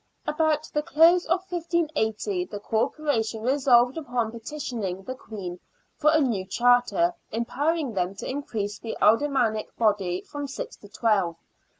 About the close of 1580 the Corporation resolved upon petitioning the Queen for a new charter, empowering them to increase the aldermanic body from six to twelve.